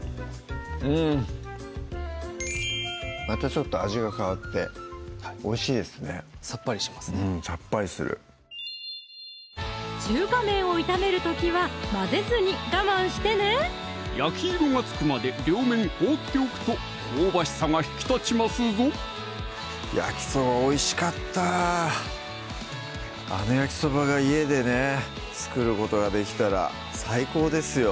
うんまたちょっと味が変わっておいしいですねさっぱりしますねうんさっぱりする中華麺を炒める時は混ぜずに我慢してね焼き色がつくまで両面放っておくと香ばしさが引き立ちますぞ焼きそばおいしかったあの焼きそばが家でね作ることができたら最高ですよ